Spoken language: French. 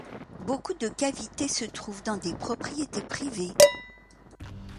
Beaucoup de cavités se trouvent dans des propriétés privées.